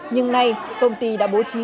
nhưng nay công ty đã bố trí